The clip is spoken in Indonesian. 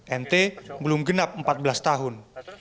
nt belum genap empat belas tahun